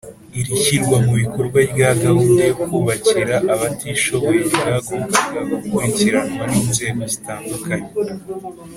Iri shyirwa mu bikorwa rya gahunda yo kubakira abatishoboye ryagombaga gukurikiranwa n inzego zitandukanye